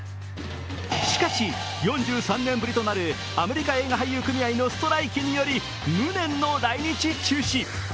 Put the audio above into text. しかし４３年ぶりとなるアメリカ映画俳優組合のストライキにより無念の来日中止。